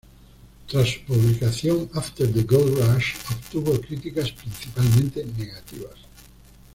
Tras su publicación, "After the Gold Rush" obtuvo críticas principalmente negativas.